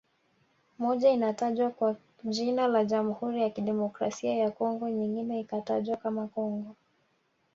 Moja inatajwa kwa jina la Jamhuri ya Kidemokrasia ya Congo nyingine ikitajwa kama Congo